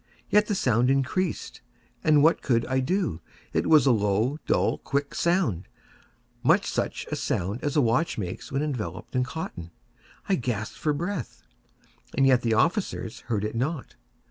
Yet the sound increased—and what could I do? It was a low, dull, quick sound—much such a sound as a watch makes when enveloped in cotton. I gasped for breath—and yet the officers heard it not.